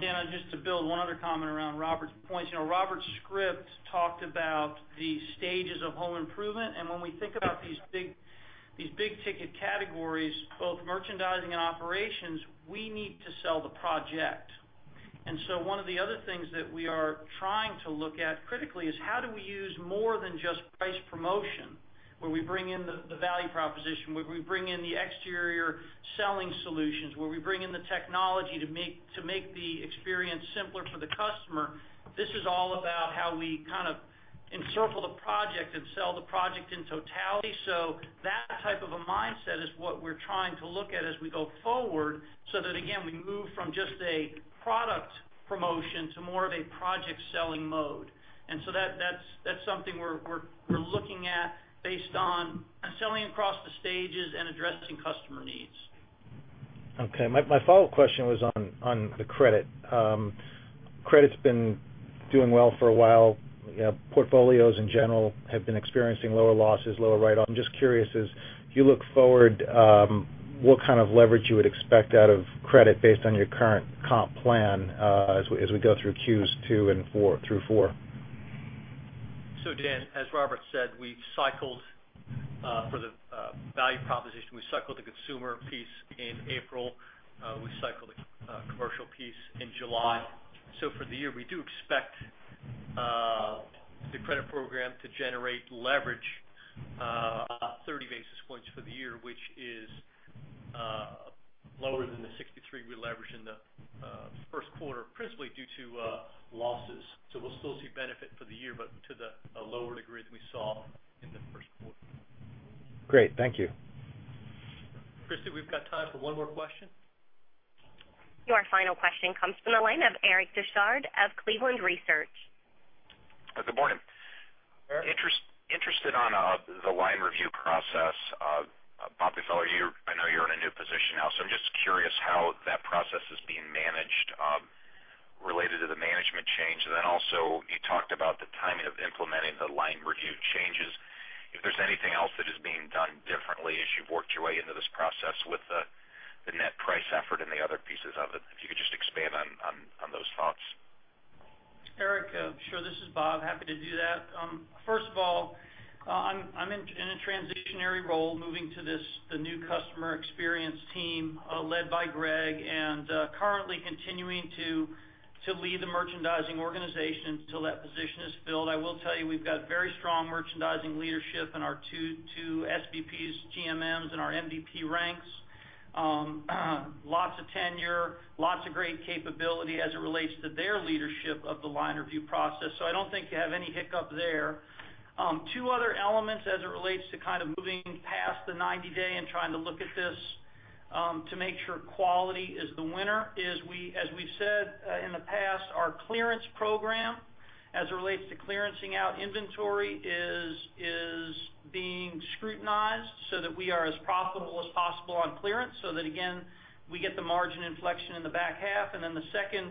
Dan, just to build one other comment around Robert's points. Robert's script talked about the stages of home improvement, and when we think about these big ticket categories, both merchandising and operations, we need to sell the project. One of the other things that we are trying to look at critically is how do we use more than just price promotion, where we bring in the value proposition, where we bring in the exterior selling solutions, where we bring in the technology to make the experience simpler for the customer. This is all about how we kind of encircle the project and sell the project in totality. That type of a mindset is what we're trying to look at as we go forward so that, again, we move from just a product promotion to more of a project selling mode. That's something we're looking at based on selling across the stages and addressing customer needs. My follow-up question was on the credit. Credit's been doing well for a while. Portfolios in general have been experiencing lower losses, lower write-off. I'm just curious, as you look forward, what kind of leverage you would expect out of credit based on your current comp plan as we go through Q2 through Q4. Dan, as Robert said, for the value proposition, we cycled the consumer piece in April. We cycled the commercial piece in July. For the year, we do expect the credit program to generate leverage of 30 basis points for the year, which is lower than the 63 we leveraged in the first quarter, principally due to losses. We'll still see benefit for the year, but to a lower degree than we saw in the first quarter. Great. Thank you. Christy, we've got time for one more question. Your final question comes from the line of Eric Bosshard of Cleveland Research. Good morning. Interested on the line review process. Bob Gfeller, I know you're in a new position now, so I'm just curious how that process is being managed related to the management change. Also, you talked about the timing of implementing the line review changes. If there's anything else that is being done differently as you've worked your way into this process with the net price effort and the other pieces of it, if you could just expand on those thoughts. Eric, sure. This is Bob. Happy to do that. First of all, I'm in a transitionary role moving to the new customer experience team led by Greg and currently continuing to lead the merchandising organization until that position is filled. I will tell you, we've got very strong merchandising leadership in our two SVPs, GMMs, and our MDP ranks. Lots of tenure, lots of great capability as it relates to their leadership of the line review process. I don't think you have any hiccup there. Two other elements as it relates to kind of moving past the 90-day and trying to look at this to make sure quality is the winner is, as we said in the past, our clearance program as it relates to clearancing out inventory is being scrutinized so that we are as profitable as possible on clearance, so that again, we get the margin inflection in the back half. The second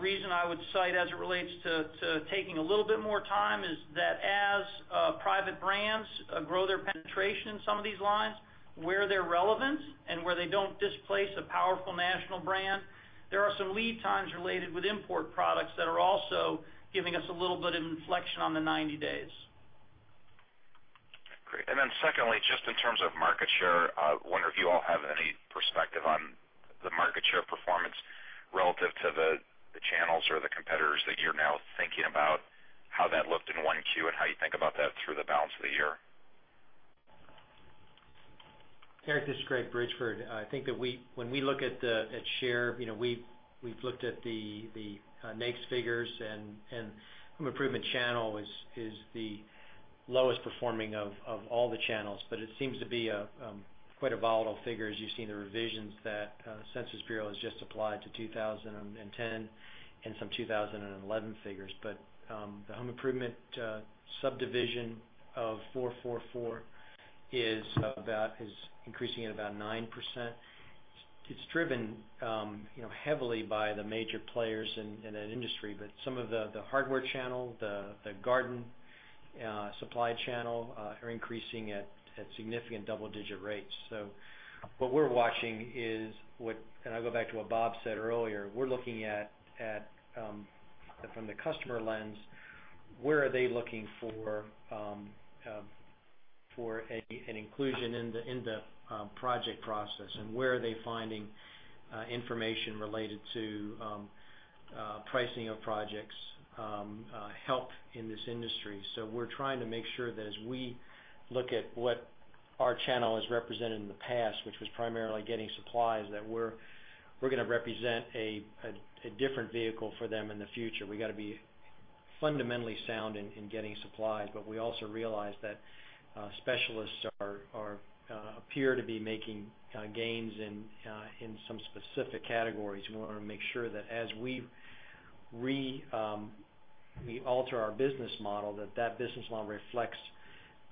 reason I would cite as it relates to taking a little bit more time is that as private brands grow their penetration in some of these lines, where they're relevant and where they don't displace a powerful national brand, there are some lead times related with import products that are also giving us a little bit of inflection on the 90 days. Great. Secondly, just in terms of market share, I wonder if you all have any perspective on the market share performance relative to the channels or the competitors that you're now thinking about how that looked in 1Q and how you think about that through the balance of the year. Eric, this is Greg Bridgeford. I think that when we look at share, we've looked at the NAICS figures and home improvement channel is the lowest performing of all the channels. It seems to be quite a volatile figure as you've seen the revisions that U.S. Census Bureau has just applied to 2010 and some 2011 figures. The home improvement subdivision of 444 is increasing at about 9%. It's driven heavily by the major players in that industry. Some of the hardware channel, the garden supply channel are increasing at significant double-digit rates. What we're watching is what and I go back to what Bob said earlier, we're looking at from the customer lens, where are they looking for an inclusion in the project process and where are they finding information related to pricing of projects help in this industry. We're trying to make sure that as we look at what our channel has represented in the past, which was primarily getting supplies, that we're going to represent a different vehicle for them in the future. We got to be fundamentally sound in getting supplies, we also realize that specialists appear to be making gains in some specific categories. We want to make sure that as we re-alter our business model, that business model reflects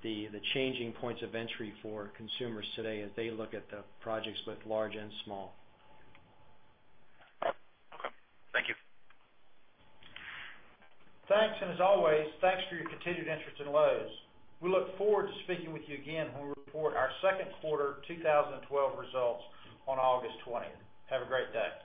the changing points of entry for consumers today as they look at the projects, both large and small. Okay. Thank you. Thanks. As always, thanks for your continued interest in Lowe's. We look forward to speaking with you again when we report our second quarter 2012 results on August 20th. Have a great day.